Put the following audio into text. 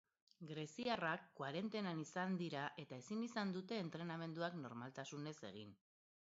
Greziarrak koarentenan izan dira eta ezin izan dute entrenamenduak normaltasunez egin.